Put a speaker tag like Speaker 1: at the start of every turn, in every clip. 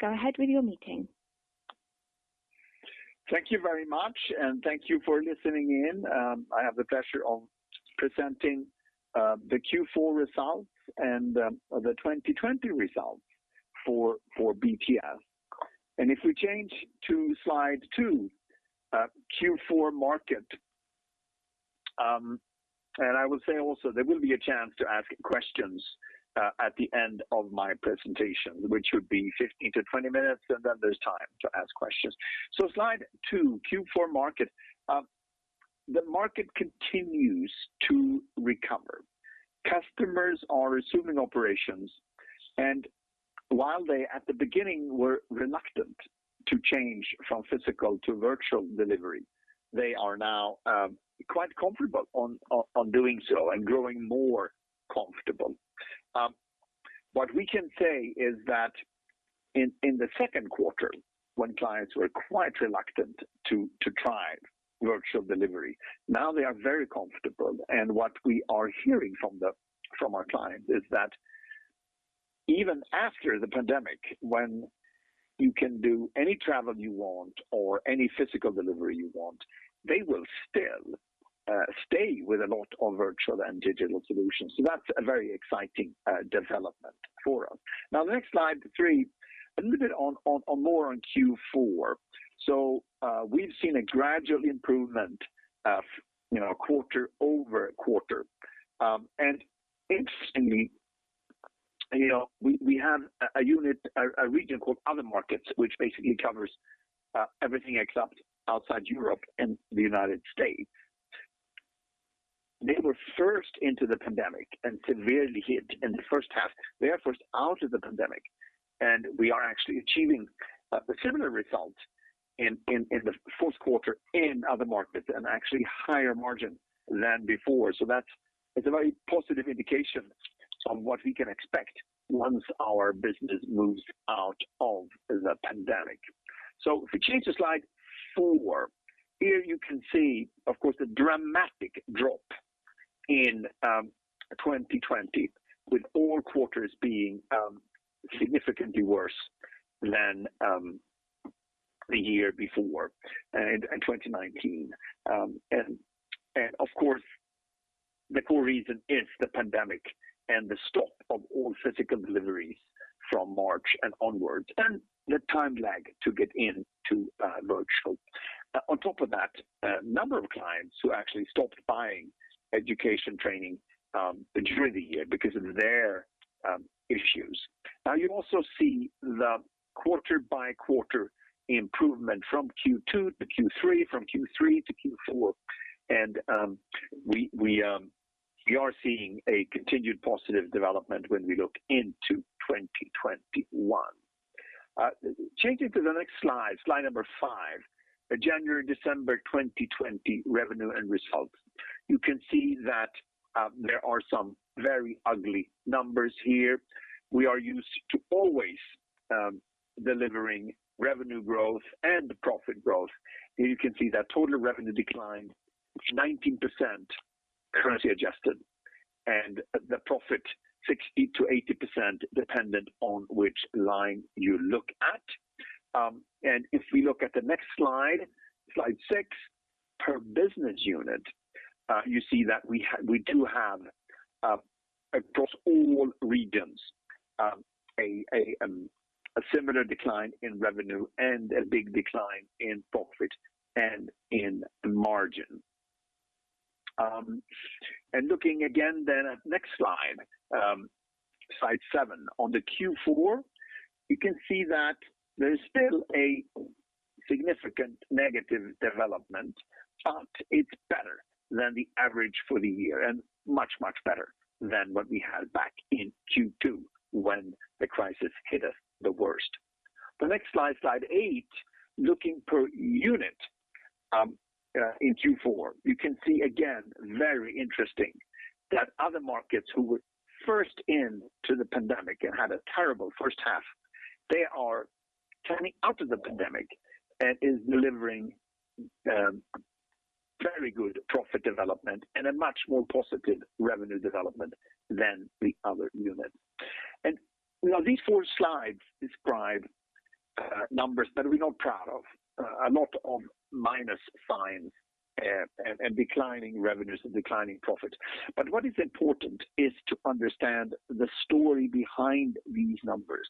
Speaker 1: Go ahead with your meeting.
Speaker 2: Thank you very much, and thank you for listening in. I have the pleasure of presenting the Q4 results and the 2020 results for BTS. If we change to slide two, Q4 market. I will say also, there will be a chance to ask questions at the end of my presentation, which would be 15 minutes-20 minutes, and then there's time to ask questions. Slide two, Q4 market. The market continues to recover. Customers are resuming operations, and while they at the beginning were reluctant to change from physical to virtual delivery, they are now quite comfortable on doing so and growing more comfortable. What we can say is that in the second quarter, when clients were quite reluctant to try virtual delivery, now they are very comfortable. What we are hearing from our clients is that even after the pandemic, when you can do any travel you want or any physical delivery you want, they will still stay with a lot of virtual and digital solutions. That's a very exciting development for us. The next slide three, a little bit more on Q4. We've seen a gradual improvement quarter-over-quarter. Interestingly, we have a region called Other Markets, which basically covers everything except outside Europe and the United States. They were first into the pandemic and severely hit in the first half. They are first out of the pandemic, and we are actually achieving a similar result in the fourth quarter in Other Markets and actually higher margin than before. That is a very positive indication on what we can expect once our business moves out of the pandemic. If we change to slide four, here you can see, of course, the dramatic drop in 2020, with all quarters being significantly worse than the year before in 2019. Of course, the core reason is the pandemic and the stop of all physical deliveries from March and onwards, and the time lag to get into virtual. On top of that, a number of clients who actually stopped buying education training during the year because of their issues. You also see the quarter-by-quarter improvement from Q2-Q3, from Q3-Q4, and we are seeing a continued positive development when we look into 2021. Changing to the next slide number five, January, December 2020 revenue and results. You can see that there are some very ugly numbers here. We are used to always delivering revenue growth and profit growth. Here you can see that total revenue declined 19%, currency adjusted, and the profit 60%-80%, dependent on which line you look at. If we look at the next slide six, per business unit, you see that we do have, across all regions, a similar decline in revenue and a big decline in profit and in margin. Looking again then at next slide seven, on the Q4, you can see that there's still a significant negative development, but it's better than the average for the year and much, much better than what we had back in Q2 when the crisis hit us the worst. The next slide eight, looking per unit in Q4. You can see again, very interesting, that Other Markets who were first into the pandemic and had a terrible first half, they are coming out of the pandemic and is delivering very good profit development and a much more positive revenue development than the other units. These four slides describe numbers that we're not proud of. A lot of minus signs and declining revenues and declining profits. What is important is to understand the story behind these numbers.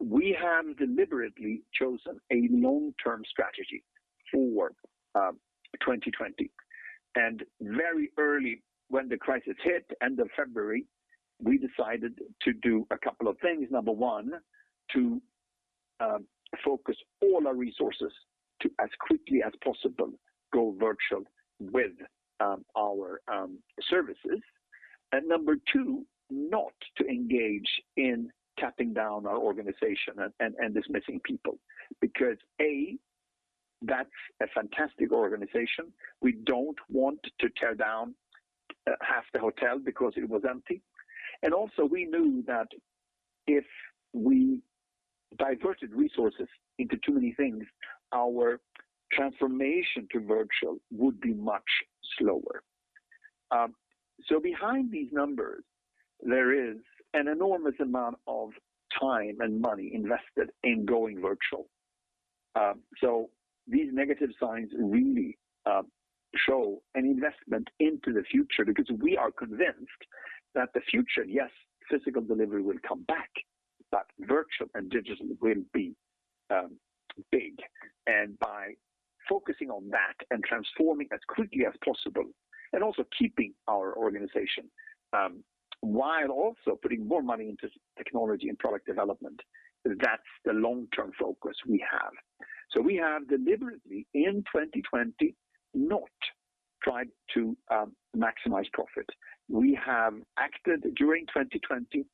Speaker 2: We have deliberately chosen a long-term strategy for 2020. Very early when the crisis hit, end of February, we decided to do a couple of things. Number one, to focus all our resources to, as quickly as possible, go virtual with our services. Number two, not to engage in cutting down our organization and dismissing people. Because, A, that's a fantastic organization. We don't want to tear down half the hotel because it was empty. Also, we knew that if we diverted resources into too many things, our transformation to virtual would be much slower. Behind these numbers, there is an enormous amount of time and money invested in going virtual. These negative signs really show an investment into the future because we are convinced that the future, yes, physical delivery will come back, but virtual and digital will be big. By focusing on that and transforming as quickly as possible, and also keeping our organization, while also putting more money into technology and product development, that's the long-term focus we have. We have deliberately, in 2020, not tried to maximize profit. We have acted during 2020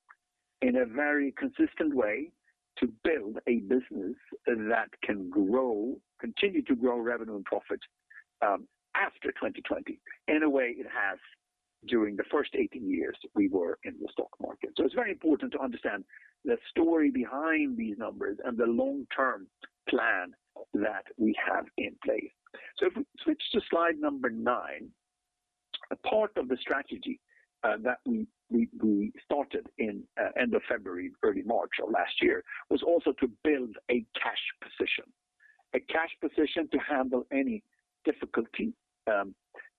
Speaker 2: in a very consistent way to build a business that can continue to grow revenue and profit after 2020, in a way it has during the first 18 years we were in the stock market. It's very important to understand the story behind these numbers and the long-term plan that we have in place. If we switch to slide number nine, a part of the strategy that we started in end of February, early March of last year, was also to build a cash position. A cash position to handle any difficulty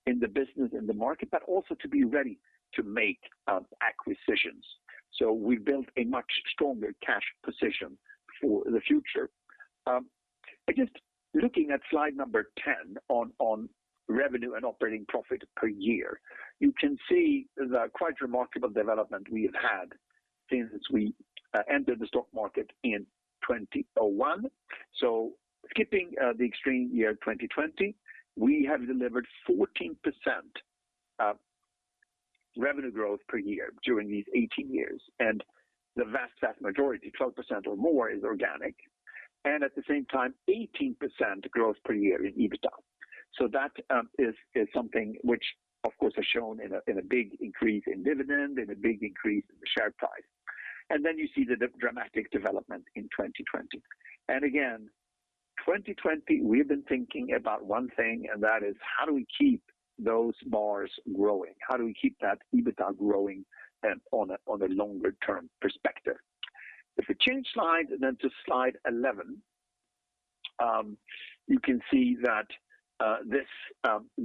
Speaker 2: in the business, in the market, but also to be ready to make acquisitions. We built a much stronger cash position for the future. By just looking at slide number 10 on revenue and operating profit per year, you can see the quite remarkable development we have had since we entered the stock market in 2001. Skipping the extreme year 2020, we have delivered 14% revenue growth per year during these 18 years, the vast majority, 12% or more is organic, at the same time, 18% growth per year in EBITDA. That is something which, of course, has shown in a big increase in dividend, in a big increase in the share price. You see the dramatic development in 2020. Again, 2020, we've been thinking about one thing, that is how do we keep those bars growing? How do we keep that EBITDA growing on a longer-term perspective? If we change slide to slide 11, you can see that this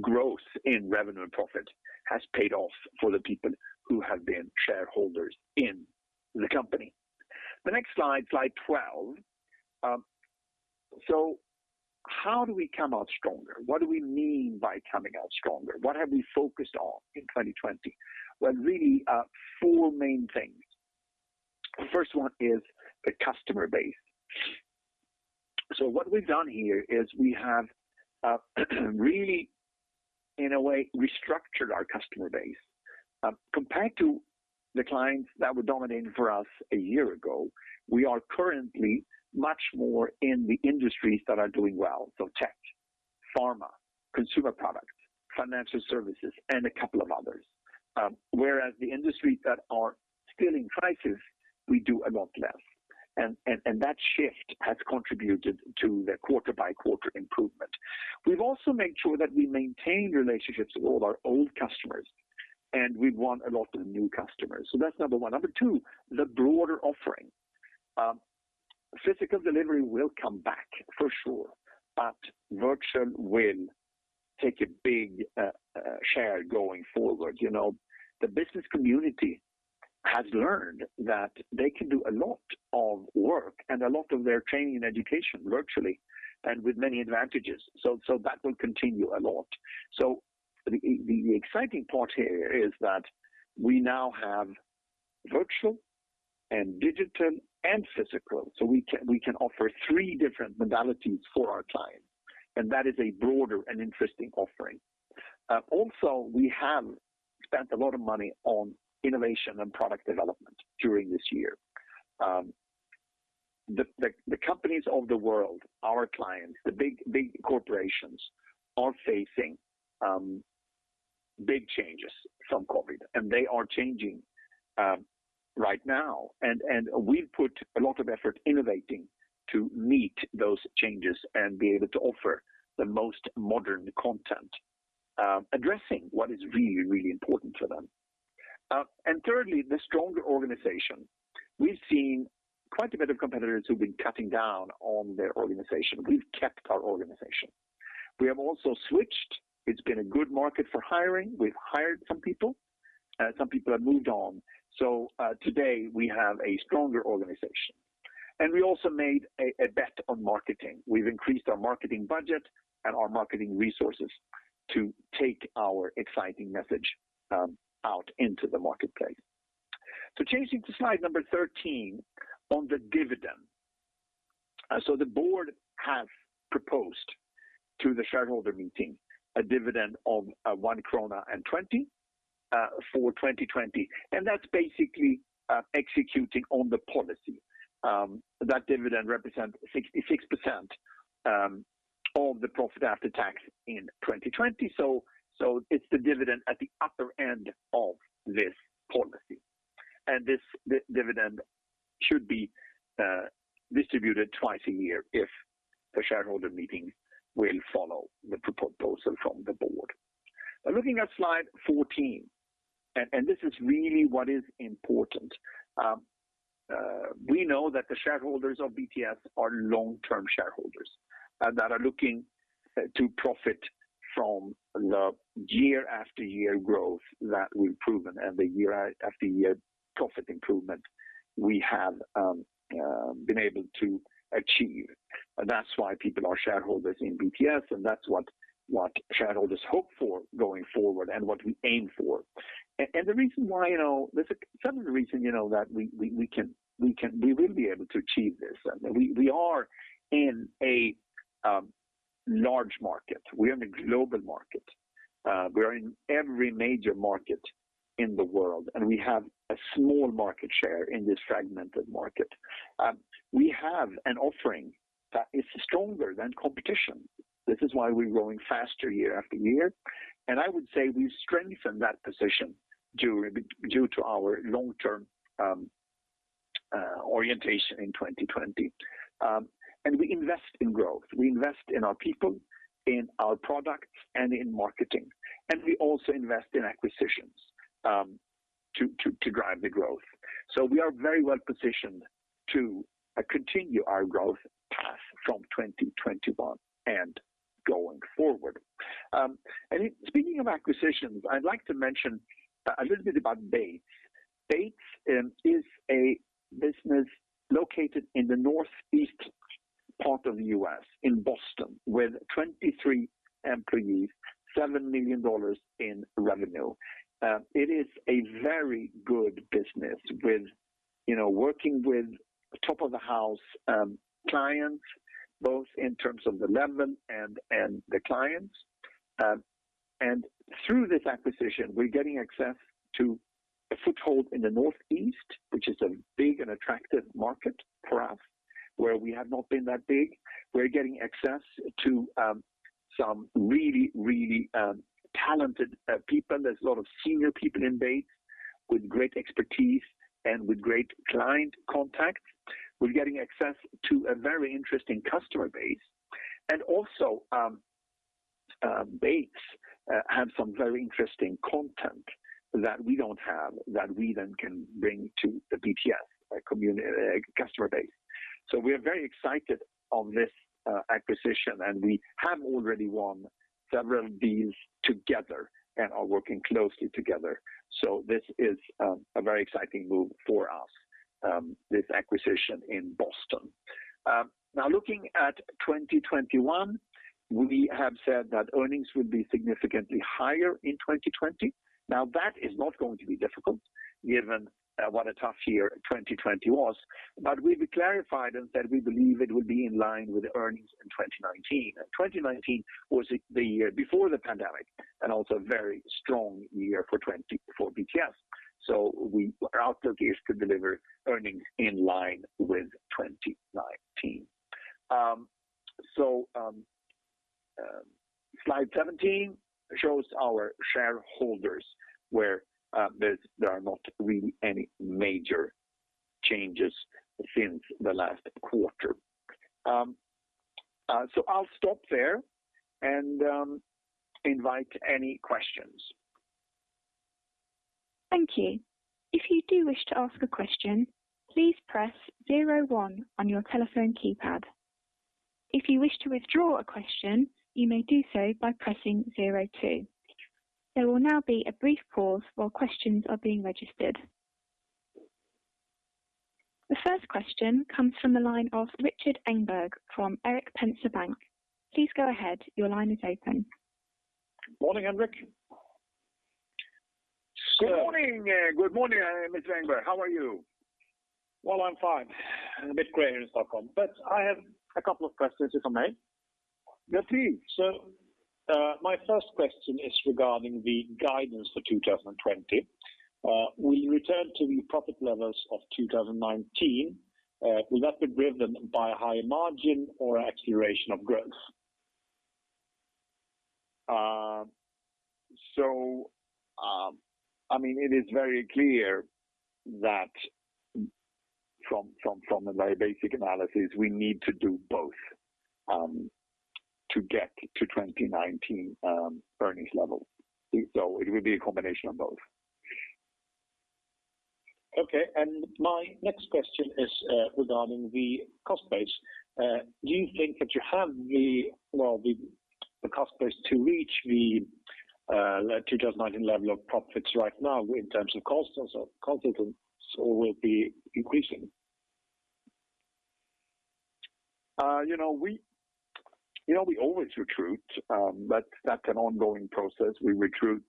Speaker 2: growth in revenue and profit has paid off for the people who have been shareholders in the company. The next slide 12. How do we come out stronger? What do we mean by coming out stronger? What have we focused on in 2020? Really, four main things. The first one is the customer base. What we've done here is we have really, in a way, restructured our customer base. Compared to the clients that were dominating for us a year ago, we are currently much more in the industries that are doing well. Tech, pharma, consumer products, financial services, and a couple of others. The industries that are still in crisis, we do a lot less. That shift has contributed to the quarter-by-quarter improvement. We've also made sure that we maintain relationships with all our old customers, and we've won a lot of new customers. That's number one. Number two, the broader offering. Physical delivery will come back for sure, but virtual will take a big share going forward. The business community has learned that they can do a lot of work and a lot of their training and education virtually and with many advantages. That will continue a lot. The exciting part here is that we now have virtual and digital and physical. We can offer three different modalities for our clients, and that is a broader and interesting offering. Also, we have spent a lot of money on innovation and product development during this year. The companies of the world, our clients, the big corporations, are facing big changes from COVID, and they are changing right now. We've put a lot of effort innovating to meet those changes and be able to offer the most modern content, addressing what is really, really important for them. Thirdly, the stronger organization. We've seen quite a bit of competitors who've been cutting down on their organization. We've kept our organization. We have also switched. It's been a good market for hiring. We've hired some people. Some people have moved on. Today, we have a stronger organization. We also made a bet on marketing. We've increased our marketing budget and our marketing resources to take our exciting message out into the marketplace. Changing to slide number 13 on the dividend. The board have proposed to the shareholder meeting a dividend of 1.20 krona for 2020, and that's basically executing on the policy. That dividend represents 66% of the profit after tax in 2020. It's the dividend at the upper end of this policy. This dividend should be distributed twice a year if the shareholder meeting will follow the proposal from the board. Now looking at slide 14, and this is really what is important. We know that the shareholders of BTS are long-term shareholders that are looking to profit from the year after year growth that we've proven and the year after year profit improvement we have been able to achieve. That's why people are shareholders in BTS, and that's what shareholders hope for going forward and what we aim for. There's a certain reason that we will be able to achieve this. We are in a large market. We are in a global market. We are in every major market in the world, and we have a small market share in this fragmented market. We have an offering that is stronger than competition. This is why we're growing faster year after year. I would say we strengthened that position due to our long-term orientation in 2020. We invest in growth. We invest in our people, in our products, and in marketing, and we also invest in acquisitions to drive the growth. We are very well-positioned to continue our growth path from 2021 and going forward. Speaking of acquisitions, I'd like to mention a little bit about Bates. Bates is a business located in the northeast part of the U.S., in Boston, with 23 employees, $7 million in revenue. It is a very good business, working with top-of-the-house clients, both in terms of the level and the clients. Through this acquisition, we're getting access to a foothold in the northeast, which is a big and attractive market for us, where we have not been that big. We're getting access to some really talented people. There's a lot of senior people in Bates with great expertise and with great client contacts. We're getting access to a very interesting customer base. Also, Bates have some very interesting content that we don't have that we then can bring to the BTS customer base. We are very excited on this acquisition, and we have already won several deals together and are working closely together. This is a very exciting move for us, this acquisition in Boston. Now looking at 2021, we have said that earnings will be significantly higher in 2020. Now, that is not going to be difficult given what a tough year 2020 was. We clarified that we believe it would be in line with earnings in 2019. 2019 was the year before the pandemic and also a very strong year for BTS. We are out there to deliver earnings in line with 2019. Slide 17 shows our shareholders, where there are not really any major changes since the last quarter. I'll stop there and invite any questions.
Speaker 1: Thank you. If you do wish to ask a question, please press zero one on your telephone keypad. If you wish to withdraw a question, you may do so by pressing zero two. There will now be a brief pause while questions are being registered. The first question comes from the line of Rikard Engberg from Erik Penser Bank. Please go ahead. Your line is open.
Speaker 3: Morning, Henrik.
Speaker 2: Good morning. Good morning, Mr. Engberg. How are you?
Speaker 3: Well, I'm fine. A bit gray here in Stockholm. I have a couple of questions, if I may.
Speaker 2: Yeah, please.
Speaker 3: My first question is regarding the guidance for 2020. Will you return to the profit levels of 2019? Will that be driven by higher margin or acceleration of growth?
Speaker 2: It is very clear that from a very basic analysis, we need to do both to get to 2019 earnings level. It will be a combination of both.
Speaker 3: Okay. My next question is regarding the cost base. Do you think that you have the cost base to reach the 2019 level of profits right now in terms of costs, or costs will be increasing?
Speaker 2: We always recruit, but that's an ongoing process. We recruit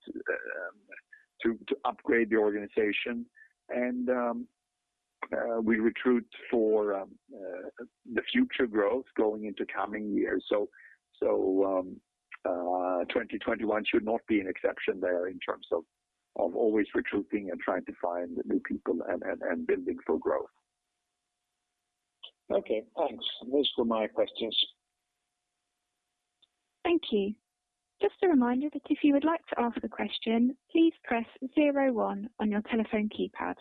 Speaker 2: to upgrade the organization, and we recruit for the future growth going into coming years. 2021 should not be an exception there in terms of always recruiting and trying to find new people and building for growth.
Speaker 3: Okay, thanks. Those were my questions.
Speaker 1: Thank you. Just a reminder that if you would like to ask a question, please press zero one on your telephone keypad.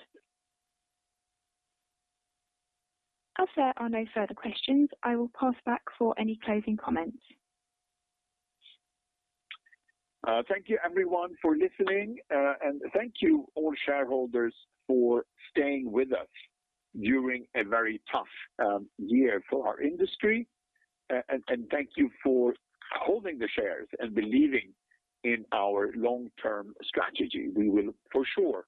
Speaker 1: As there are no further questions, I will pass back for any closing comments.
Speaker 2: Thank you everyone for listening. Thank you all shareholders for staying with us during a very tough year for our industry. Thank you for holding the shares and believing in our long-term strategy. We will for sure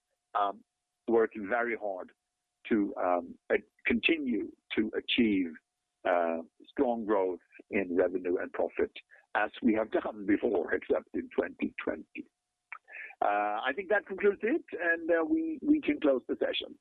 Speaker 2: work very hard to continue to achieve strong growth in revenue and profit as we have done before, except in 2020. I think that concludes it, and we can close the session.